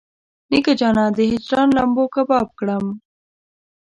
نیکه جانه د هجران لمبو کباب کړم.